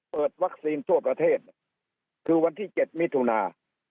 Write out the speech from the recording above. เปิดวัคซีนทั่วประเทศคือวันที่๗มิถุนา